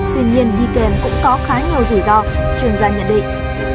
tuy nhiên đi kèm cũng có khá nhiều rủi ro chuyên gia nhận định